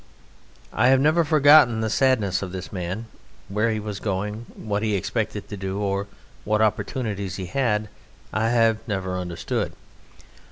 I have never forgotten the sadness of this man. Where he was going, and what he expected to do, or what opportunities he had, I have never understood.